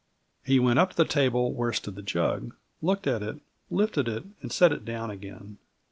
He went up to the table where stood the jug, looked at it, lifted it, and set it down again.